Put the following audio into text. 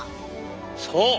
そう！